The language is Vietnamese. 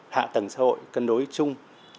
hạ tầng xã hội cân đối chung